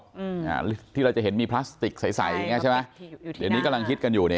อืมที่เราจะเห็นมีพลาสติกใสใช่ไหมเดี๋ยวนี้กำลังคิดกันอยู่นี่